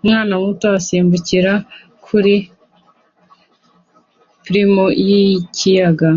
Umwana muto asimbukira kuri pir mu kiyaga